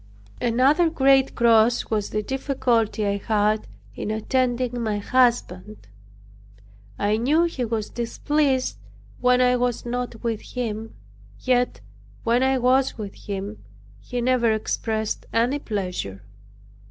Another great cross was the difficulty I had in attending my husband. I knew he was displeased when I was not with him; yet when I was with him, he never expressed any pleasure.